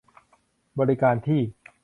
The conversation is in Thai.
บริการที่